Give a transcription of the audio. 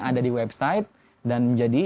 ada di website dan menjadi